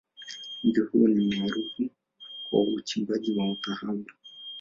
Mji huu ni maarufu kwa uchimbaji wa dhahabu.